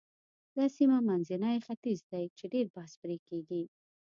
دا سیمه منځنی ختیځ دی چې ډېر بحث پرې کېږي.